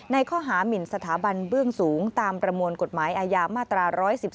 ข้อหามินสถาบันเบื้องสูงตามประมวลกฎหมายอาญามาตรา๑๑๒